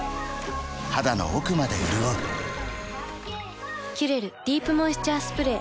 肌の奥まで潤う「キュレルディープモイスチャースプレー」